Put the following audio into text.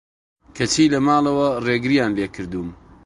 کەچی لە ماڵەوە رێگریان لێکردووم